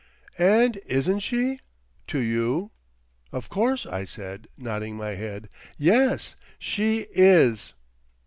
"And isn't she? To you?" "Of course," I said, nodding my head. "Yes. She IS..."